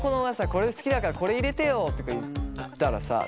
これ好きだからこれ入れてよとか言ったらさ。